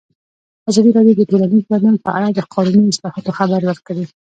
ازادي راډیو د ټولنیز بدلون په اړه د قانوني اصلاحاتو خبر ورکړی.